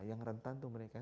yang rentan itu mereka